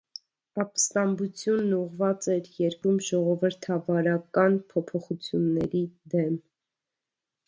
Ապստամբությունն ուղղված էր երկրում ժողովրդավարական փոփոխությունների դեմ։